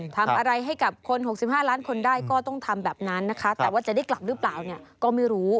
ทำอะไรให้กับคน๖๕ล้านคนได้ก็ต้องทำแบบนั้นนะคะแต่ว่าจะได้กลับหรือเปล่าเนี่ยก็ไม่รู้